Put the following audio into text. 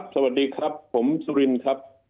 สวัสดีครับผมสุรินครับ